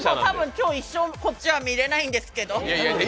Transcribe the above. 今日一生、こっちは見れないんですけど。